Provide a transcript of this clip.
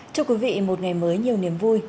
chúc quý vị một ngày mới nhiều niềm vui